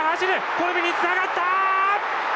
コルビにつながった！